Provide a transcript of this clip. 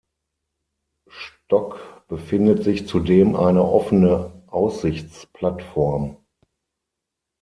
Stock befindet sich zudem eine offene Aussichtsplattform.